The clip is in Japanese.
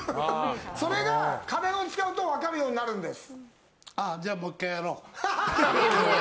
それが家電を使うと分かるようになるんです。